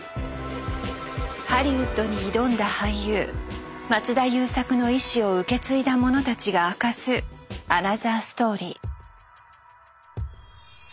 ハリウッドに挑んだ俳優松田優作の遺志を受け継いだ者たちが明かすアナザーストーリー。